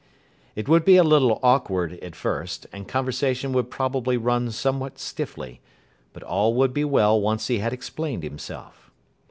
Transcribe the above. It would be a little awkward at first, and conversation would probably run somewhat stiffly; but all would be well once he had explained himself.